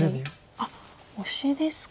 あっオシですか。